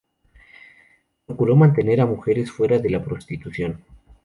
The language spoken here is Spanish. Procuró mantener a mujeres fuera de la prostitución.